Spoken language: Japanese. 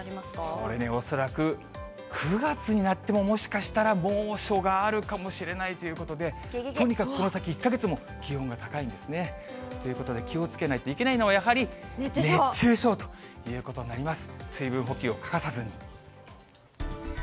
これね、恐らく９月になってももしかしたら猛暑があるかもしれないということで、とにかくこの先１か月も気温が高いんですね。ということで、気をつけないといけないのはやはり熱中症ということになります。